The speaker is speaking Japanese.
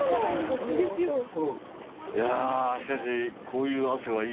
いやしかし。